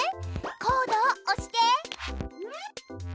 「コード」を押して。